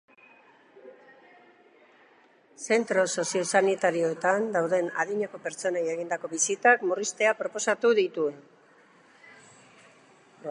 Zentro soziosanitarioetan dauden adineko pertsonei egindako bisitak murriztea proposatu dute.